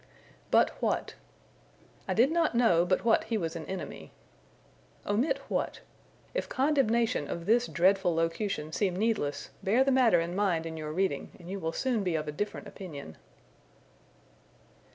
But what. "I did not know but what he was an enemy." Omit what. If condemnation of this dreadful locution seem needless bear the matter in mind in your reading and you will soon be of a different opinion.